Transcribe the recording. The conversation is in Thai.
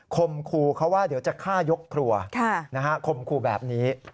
คมครูเขาว่าเดี๋ยวจะฆ่ายกครัวคมครูแบบนี้